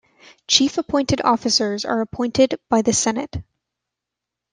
Chief appointed officers are appointed by the senate.